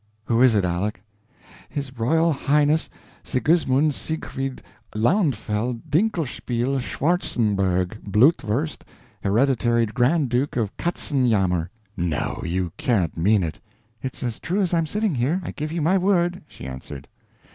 "Who is it, Aleck?" "His Royal Highness Sigismund Siegfried Lauenfeld Dinkelspiel Schwartzenberg Blutwurst, Hereditary Grand Duke of Katzenyammer." "No! You can't mean it!" "It's as true as I'm sitting here, I give you my word," she answered.